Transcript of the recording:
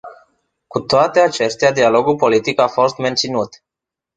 Cu toate acestea, dialogul politic a fost menținut.